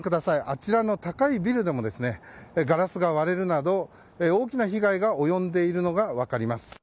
あちらの高いビルでもガラスが割れるなど大きな被害が及んでいるのが分かります。